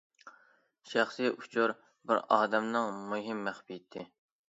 شەخسىي ئۇچۇر بىر ئادەمنىڭ مۇھىم مەخپىيىتى.